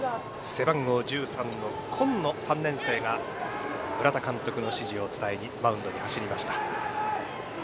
背番号１３の金野３年生が村田監督の指示を伝えにマウンドに走りました。